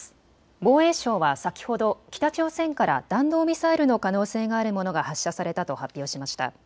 防衛省は先ほど北朝鮮から弾道ミサイルの可能性があるものが発射されたと発表しました。